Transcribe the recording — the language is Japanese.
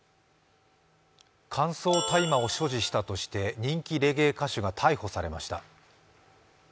乾燥大麻を所持したとして人気レゲエ歌手が逮捕されました。